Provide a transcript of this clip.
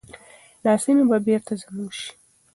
دا سیمي به بیرته زموږ شي.